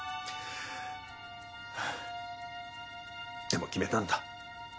でも決めたんだ。